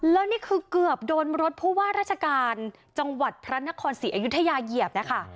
แล้วนี่คือเกือบโดนรถผู้ว่าราชการจังหวัดพระนครศรีอยุธยาเหยียบนะคะ